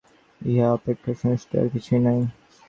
ইহা অপেক্ষা সুনিশ্চিত আর কিছুই নাই।